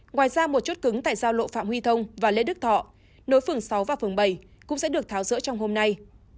ngoài ra một chốt cứng tại giao lộ phạm huy thông và lê đức thọ nối phường sáu và phường bảy cũng sẽ được tháo rỡ trong hôm nay